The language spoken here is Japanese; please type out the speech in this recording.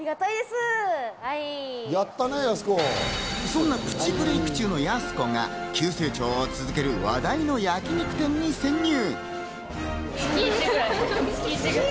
そんなプチブレーク中のやす子が急成長を続ける話題の焼肉店に潜入。